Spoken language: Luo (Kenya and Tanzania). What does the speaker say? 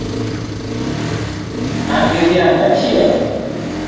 An gi dhiang' achiel